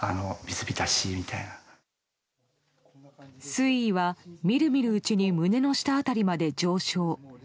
水位は見る見るうちに胸の下辺りまで上昇。